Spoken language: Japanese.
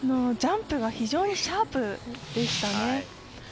ジャンプが非常にシャープでしたね。